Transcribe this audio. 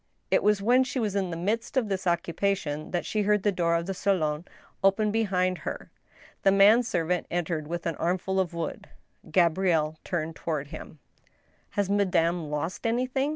It was when she was in the midst of this occupation that she heard the door pf the salon open behind her. The man servant entered with an armful of wood. Gabrielle turned toward him. AV THE ASHES. "S "Has madame lost anything?"